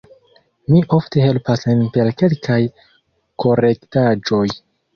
Mi ofte helpas lin per kelkaj korektaĵoj.